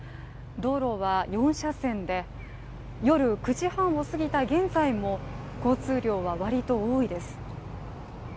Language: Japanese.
道路は４車線で、夜９時半をすぎた現在も交通量は割と多いです。